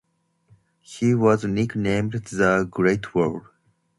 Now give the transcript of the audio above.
He was nicknamed "The Great Wall".